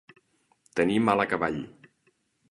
Tenir mal acaball.